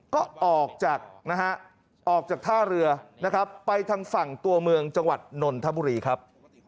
ก็ออกจากท่าเรือไปทางฝั่งตัวเมืองจังหวัดนนทะบุรีครับ